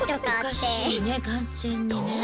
おかしいね完全にね。